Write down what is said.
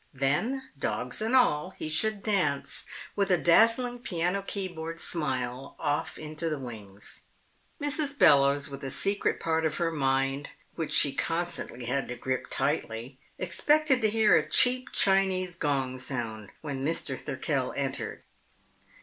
Then, dogs and all, he should dance with a dazzling piano keyboard smile off into the wings. Mrs. Bellowes, with a secret part of her mind which she constantly had to grip tightly, expected to hear a cheap Chinese gong sound when Mr. Thirkell entered.